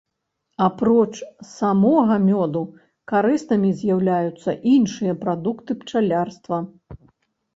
Апроч самога мёду, карыснымі з'яўляюцца іншыя прадукты пчалярства.